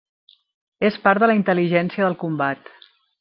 És part de la intel·ligència del combat.